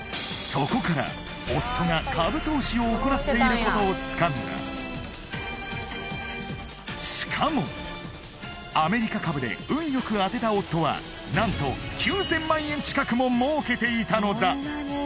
そこから夫が株投資を行っていることをつかんだしかもアメリカ株で運よく当てた夫は何と９０００万円近くも儲けていたのだ